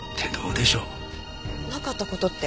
なかった事って？